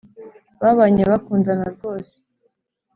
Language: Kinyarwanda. babanye bakundana rwose